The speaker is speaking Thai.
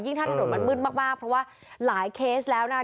ยิ่งท่านขนมมันมืดมากเพราะว่าหลายเคสแล้วนะ